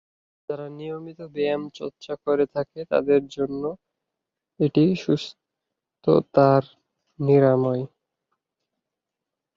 যারা নিয়মিত ব্যায়াম চর্চা করে থাকে, তাদের জন্য এটি সুস্থতার নিয়ামক।